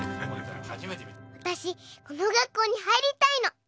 私、この学校に入りたいの。